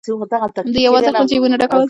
دوی یوازې خپل جېبونه ډکول.